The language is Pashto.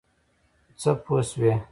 څه پوه شوې؟